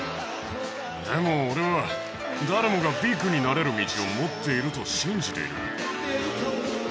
でも、俺は、誰もがビッグになれる道を持っていると信じている。